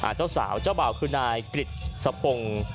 เจ้าสาวเจ้าบ่าวคืนนายกริสภง